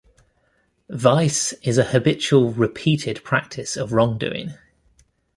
Vice is a habitual, repeated practice of wrongdoing.